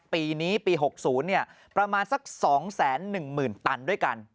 ปีนี้ปี๖๐ประมาณสัก๒๑๐๐๐ตันด้วยกัน